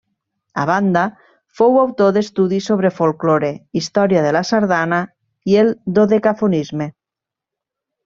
A banda, fou autor d'estudis sobre folklore, història de la sardana, i el dodecafonisme.